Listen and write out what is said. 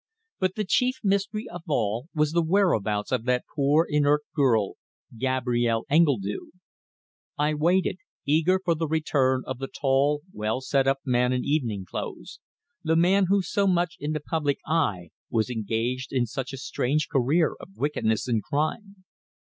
But the chief mystery of all was the whereabouts of that poor inert girl Gabrielle Engledue. I waited, eager for the return of the tall, well set up man in evening clothes, the man who so much in the public eye was engaged in such a strange career of wickedness and crime.